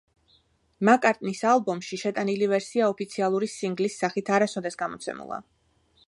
მაკ-კარტნის ალბომში შეტანილი ვერსია ოფიციალური სინგლის სახით არასოდეს გამოცემულა.